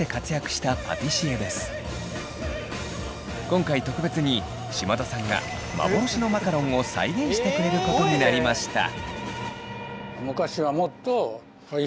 今回特別に島田さんが幻のマカロンを再現してくれることになりました。